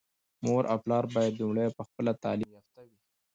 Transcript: مور او پلار بايد لومړی په خپله تعليم يافته وي.